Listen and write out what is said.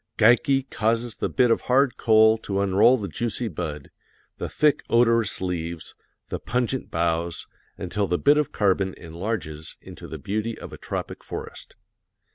Geikie causes the bit of hard coal to unroll the juicy bud, the thick odorous leaves, the pungent boughs, until the bit of carbon enlarges into the beauty of a tropic forest.